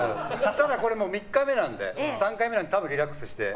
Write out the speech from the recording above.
ただこれ３日目なんで３回目なので多分、リラックスして。